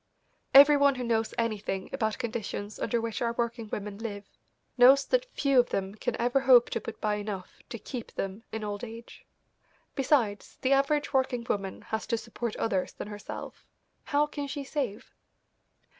Every one who knows anything about conditions under which our working women live knows that few of them can ever hope to put by enough to keep them in old age. Besides, the average working woman has to support others than herself. How can she save?